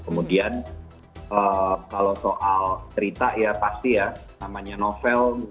kemudian kalau soal cerita ya pasti ya namanya novel